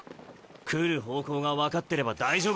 来る方向が分かってれば大丈夫だ。